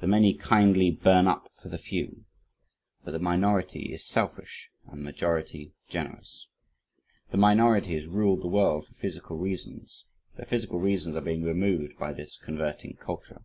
The many kindly burn up for the few; for the minority is selfish and the majority generous. The minority has ruled the world for physical reasons. The physical reasons are being removed by this "converting culture."